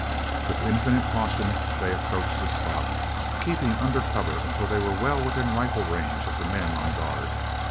With infinite caution they approached the spot, keeping under cover until they were well within rifle range of the men on guard.